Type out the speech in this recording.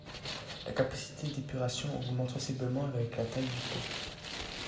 La capacité d'épuration augmente sensiblement avec la taille du pot.